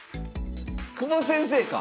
久保先生か。